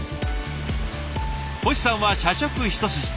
星さんは社食一筋。